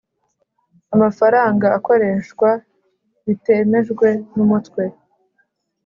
amafaranga akoreshwa bitemejwe n Umutwe